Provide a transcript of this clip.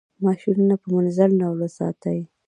ماشینونه په منظم ډول وساتئ.